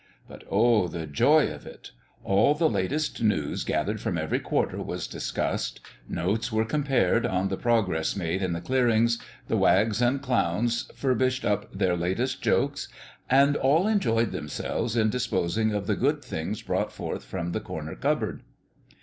but, Oh! the joy of it! All the latest news gathered from every quarter was discussed, notes were compared on the progress made in the clearings, the wags and clowns furbished up their latest jokes, and all enjoyed themselves in disposing of the good things brought forth from the corner cupboard.